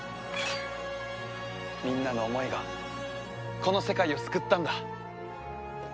みんなの思いがこの世界を救ったんだ。